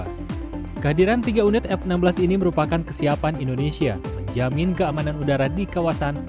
kehadiran tiga unit f enam belas ini merupakan kesiapan indonesia menjamin keamanan udara di kawasan